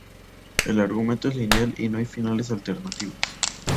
El argumento es lineal y no hay finales alternativos.